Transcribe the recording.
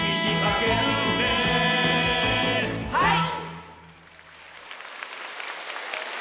はい！